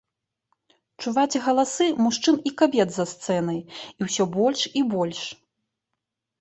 Чуваць галасы мужчын і кабет за сцэнай, і ўсё больш і больш.